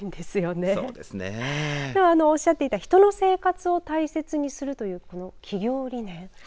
おっしゃっていた人の生活を大切にするというこの企業理念。